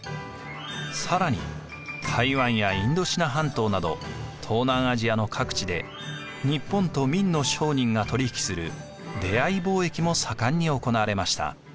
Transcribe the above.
更に台湾やインドシナ半島など東南アジアの各地で日本と明の商人が取り引きする出会貿易も盛んに行われました。